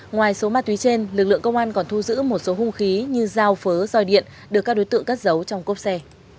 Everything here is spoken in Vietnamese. ngoài số mát túy trên lực lượng công an còn thu giữ một số hung khí như dao phớ dòi điện được các đối tượng cất dấu trong cốp xe